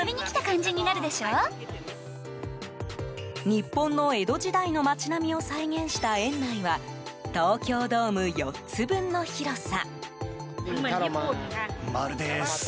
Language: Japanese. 日本の江戸時代の街並みを再現した園内は東京ドーム４つ分の広さ。